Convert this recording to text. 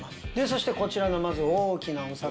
そしてこちらの大きなお魚。